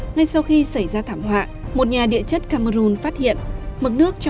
ngay sau khi sống sót những người sống sót đều có triệu chứng chóng mặt và ngất xỉu triệu chứng bị ngộ độc co hai